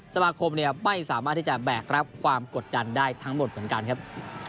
สมาคมไม่สามารถที่จะแบกรับความกดดันได้ทั้งหมดเหมือนกันครับ